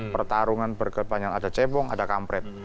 pertarungan berkepanjangan ada cebong ada kampret